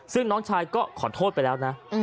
ซึ่งน้องชายก็ขอโทษไปแล้วนะ